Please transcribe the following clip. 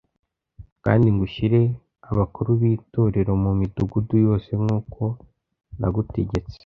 kandi ngo ushyire abakuru b’Itorero mu midugudu yose nk’uko nagutegetse.